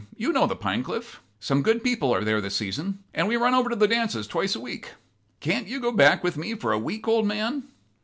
You know the Pinecliff. Some good people are there this season, and we run over to the dances twice a week. Can't you go back with me for a week, old man?"